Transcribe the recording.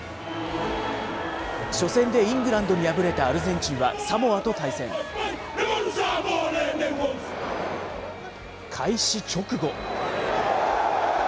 初戦でイングランドに敗れたアルゼンチンはサモアと対戦。開始直後。